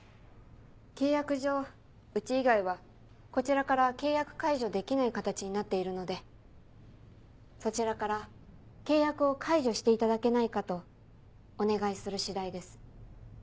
契約上うち以外はこちらから契約解除できない形になっているのでそちらから契約を解除していただけないかとお願いする次第です。